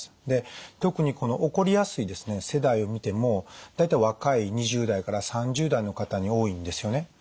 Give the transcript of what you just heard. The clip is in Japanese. で特にこの起こりやすい世代を見ても大体若い２０代から３０代の方に多いんですよね。